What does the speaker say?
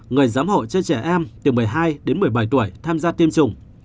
người giám hộ cho trẻ em từ một mươi hai một mươi bảy tuổi tham gia tiêm chủng